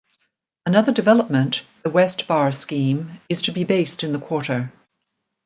Another development, the West Bar scheme is to be based in the quarter.